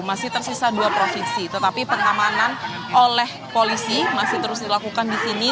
masih tersisa dua provinsi tetapi pengamanan oleh polisi masih terus dilakukan di sini